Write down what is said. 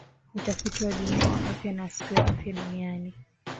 utafiti wa dunia wa afya na siku ya afya duniani